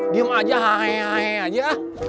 diam aja haheh haheh aja